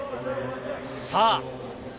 さあ。